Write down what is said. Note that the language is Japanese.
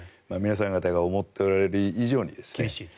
皆さん方が思っておられる以上に。